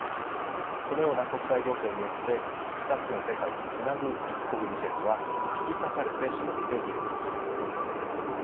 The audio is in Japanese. このような国際情勢によって２つの世界をつなぐ「一国二制度」は引き裂かれてしまっているのです。